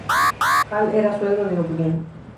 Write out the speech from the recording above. Hall era suegro de O'Brien.